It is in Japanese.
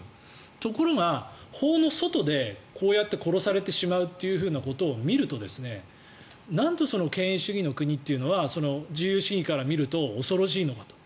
ところが、法の外でこうやって殺されてしまうことを見るとなんとその権威主義の国というのは自由主義から見ると恐ろしいのかと。